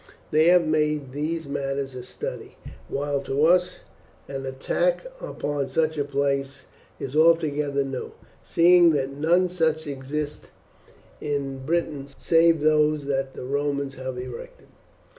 They have made these matters a study, while to us an attack upon such a place is altogether new, seeing that none such exist in Britain save those the Romans have erected."